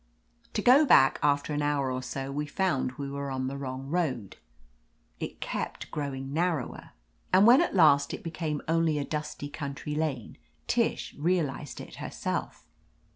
To go back, after an hour or so we found we were on the wrong road. It kept growing narrower, and when at last it became only a 232 OF LETITIA CARBERRY dusty country lane Tish realized it herself.